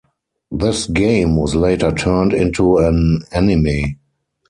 This game was later turned into an anime.